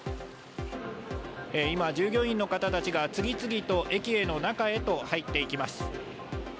今、従業員の方たちが、次々と駅への中へと入っていきます。